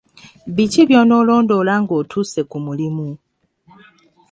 Biki by'onoolondoola ng'otuuse ku mulimu?